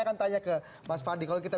akan tanya ke mas fadli kalau kita